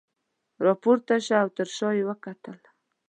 راپورته شوه او تر شاه یې وکتل.